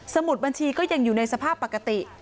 มุดบัญชีก็ยังอยู่ในสภาพปกติ